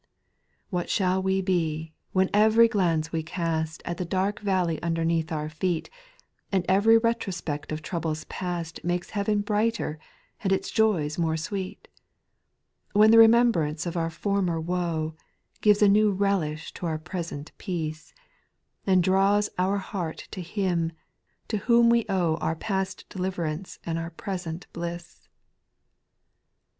"What shall we be, when every glance we cast At the dark valley underneath our feet, And every retrospect of troubles past Makes heaven brighter and its joys more sweet ? When the remembrance of our former woe, Gives a new relish to our present peace. And draws our heart to Him, to whom we owe Our past deliverance and our present bliss I 8.